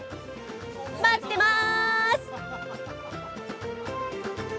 待ってます！